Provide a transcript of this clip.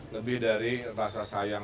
lebih dari rasa sayang